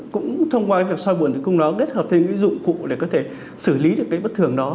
cũng thông qua việc soi bùn tử cung đó kết hợp thêm những dụng cụ để có thể xử lý được cái bất thường đó